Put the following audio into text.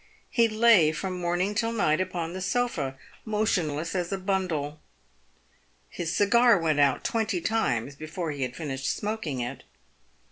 He lay from morning till night upon the sofa, motionless as a bundle. His cigar went out twenty times before he had finished smoking it.